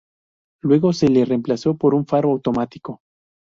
Luego se le reemplazó por un faro automático.